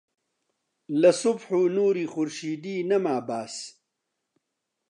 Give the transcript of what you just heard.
لە سوبح و نووری خورشیدی نەما باس